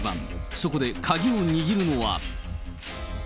そこで鍵を握るのは。